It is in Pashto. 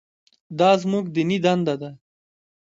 دا زموږ دیني دنده ده.